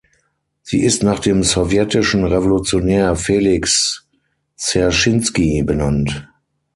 Sie ist nach dem sowjetischen Revolutionär Felix Dserschinski benannt.